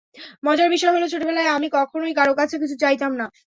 মজার বিষয় হলো, ছোটবেলায় আমি কখনোই কারও কাছে কিছু চাইতাম না।